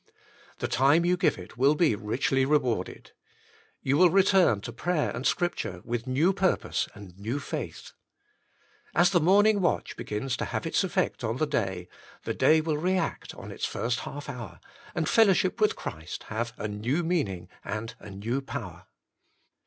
The time you give it will be richly rewarded. You will return to prayer and scripture with new purpose and new faith. As the morning watch begins to have its effect on the day, the day will re act on its first half hour, arid fellowship with Christ have a new meaning and a new power.